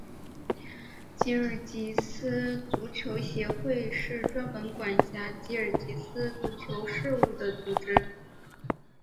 吉尔吉斯足球协会是专门管辖吉尔吉斯足球事务的组织。